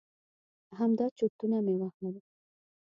همدا چرتونه مې وهل.